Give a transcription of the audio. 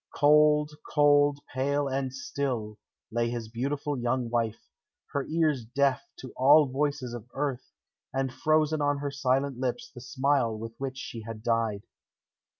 Cold, cold, pale and still, lay his beautiful young wife, her ears deaf to all voices of earth, and frozen on her silent lips the smile with which she had died.